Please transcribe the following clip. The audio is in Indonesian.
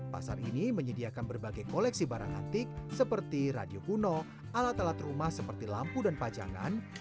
pasar ini menyediakan berbagai koleksi barang antik seperti radio kuno alat alat rumah seperti lampu dan pajangan